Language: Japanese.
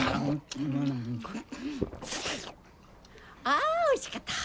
あおいしかった！